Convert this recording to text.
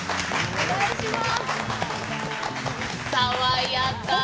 お願いします。